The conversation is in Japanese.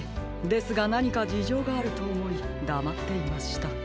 ですがなにかじじょうがあるとおもいだまっていました。